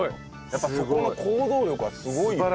やっぱそこの行動力はすごいね。